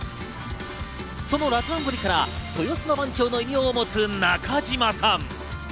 その辣腕ぶりから豊洲の番長の異名を持つ中島さん。